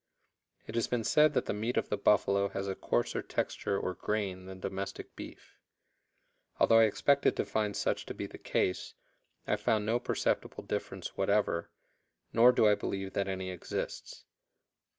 It has been said that the meat of the buffalo has a coarser texture or "grain" than domestic beef. Although I expected to find such to be the case, I found no perceptible difference whatever, nor do I believe that any exists.